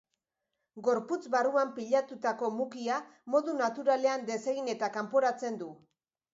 Gorputz barruan pilatutako mukia modu naturalean desegin eta kanporatzen du.